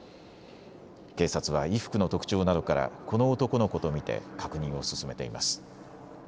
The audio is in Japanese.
警察は衣服の特徴などからこの男の子と見て確認を進めています。